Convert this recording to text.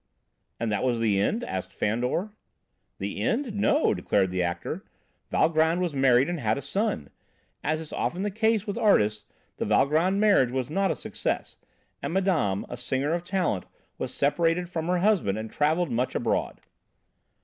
"And that was the end?" asked Fandor. "The end, no!" declared the actor. "Valgrand was married and had a son. As is often the case with artists, the Valgrand marriage was not a success, and madame, a singer of talent, was separated from her husband, and travelled much abroad.